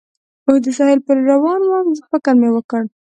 اوس د ساحل پر لور روان ووم، فکر مې وکړ.